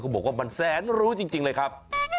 บอกว่ามันแสนรู้จริงเลยครับ